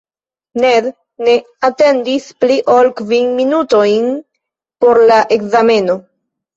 Ned ne atendis pli ol kvin minutojn por la ekzameno.